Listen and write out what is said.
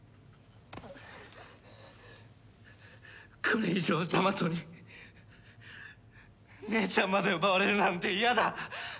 これ以上ジャマトに姉ちゃんまで奪われるなんて嫌だ。